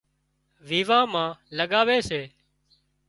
ويوان مان لڳاوي سي